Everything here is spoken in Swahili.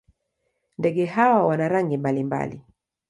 Ndege hawa wana rangi mbalimbali.